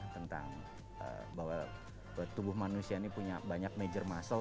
tentang bahwa tubuh manusia ini punya banyak major muscle